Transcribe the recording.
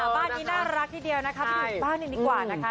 อ๋อบ้านนี้น่ารักทีเดียวนะคะพี่หนูบ้านนี้ดีกว่านะคะ